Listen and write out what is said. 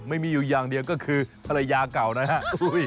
ไม่มีอยู่อย่างเดียวก็คือภรรยาเก่านะครับ